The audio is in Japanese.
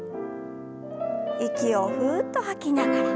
息をふっと吐きながら。